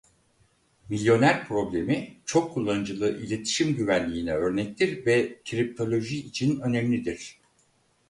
Milyoner Problemi çok kullanıcılı iletişim güvenliğine örnektir ve kriptoloji için önemlidir.